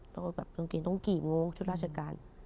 ต้องกลีบง้งชุดราชการ